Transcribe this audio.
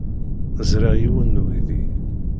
Ẓriɣ yiwen n uydi.